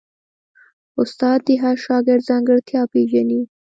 استاد د هر شاګرد ځانګړتیا پېژني.